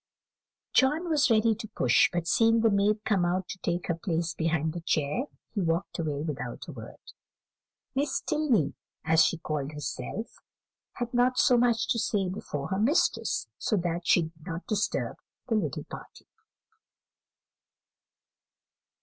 John was ready to push, but seeing the maid come out to take her place behind the chair, he walked away without a word. Miss Tilney, as she called herself, had not much to say before her mistress, so that she did not disturb the little party.